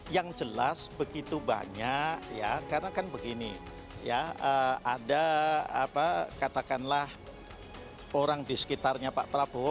yang jelas begitu banyak ya karena kan begini ya ada katakanlah orang di sekitarnya pak prabowo